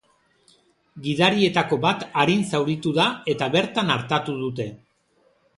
Gidarietako bat arin zauritu da, eta bertan artatu dute.